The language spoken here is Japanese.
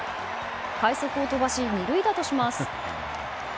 快足を飛ばし２塁打とします。